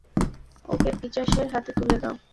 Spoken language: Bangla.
ওকে পিশাচের হাতে তুলে দাও!